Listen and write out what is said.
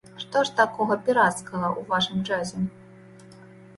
Што ж такога пірацкага ў вашым джазе?